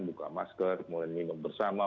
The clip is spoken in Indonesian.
buka masker menimam bersama